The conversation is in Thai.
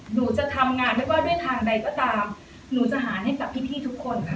หนูจะทำงานไม่ว่าด้วยทางใดก็ตามหนูจะหารให้กับพี่ทุกคนค่ะ